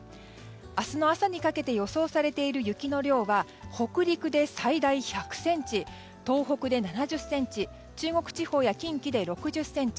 明日の朝にかけて予想されている雪の量は北陸で最大１００ｃｍ東北で７０ｃｍ中国地方や近畿で６０ｃｍ